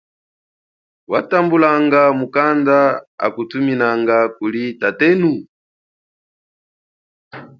Watambulanga mukanda akuthuminanga kuli tatenu?